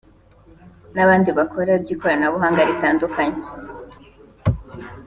n’abandi bakora iby’ikoranabuhanga ritandukanye